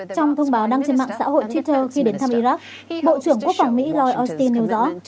trong thông báo đăng trên mạng xã hội twitter khi đến thăm iraq bộ trưởng quốc phòng mỹ lloyd austin nêu rõ